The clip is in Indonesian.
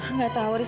nggak tahu riz